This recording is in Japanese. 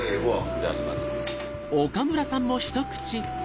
いただきます。